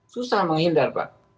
susah menghindar pak